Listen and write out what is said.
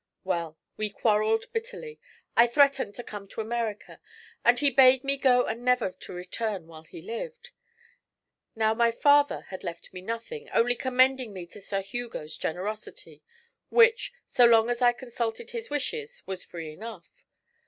'Well, we quarrelled bitterly. I threatened to come to America, and he bade me go and never to return while he lived. Now, my father had left me nothing, only commending me to Sir Hugo's generosity, which, so long as I consulted his wishes, was free enough.